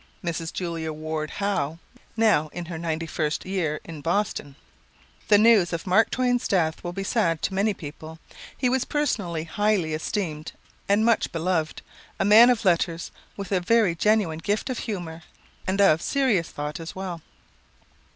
Mrs. Julia Ward Howe, now in her ninety first year, in Boston: "The news of Mark Twain's death will be sad to many people. He was personally highly esteemed and much beloved; a man of letters with a very genuine gift of humor and of serious thought as well."